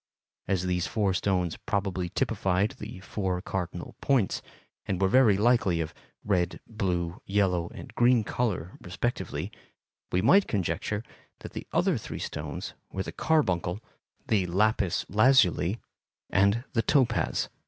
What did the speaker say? As these four stones probably typified the four cardinal points, and were very likely of red, blue, yellow, and green color respectively, we might conjecture that the other three stones were the carbuncle, the lapis lazuli, and the topaz.